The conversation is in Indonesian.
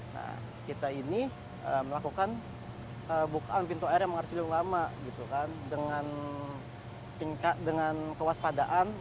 nah kita ini melakukan bukaan pintu air yang mengarah ciliwung lama gitu kan dengan tingkat dengan kewaspadaan